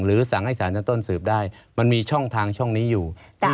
สั่งให้สารชั้นต้นสืบได้มันมีช่องทางช่องนี้อยู่